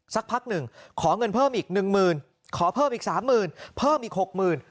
สักพักหนึ่งขอเงินเพิ่มอีกหนึ่งหมื่นขอเพิ่มอีกสามหมื่นเพิ่มอีกหกหมื่น